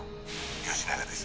「吉永です。